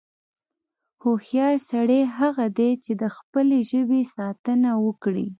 هوښیار سړی هغه دی، چې د خپلې ژبې ساتنه وکړي.